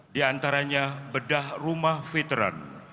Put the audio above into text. di antaranya bedah rumah veteran